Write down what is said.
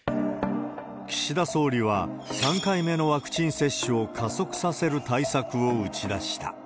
岸田総理は、３回目のワクチン接種を加速させる対策を打ち出した。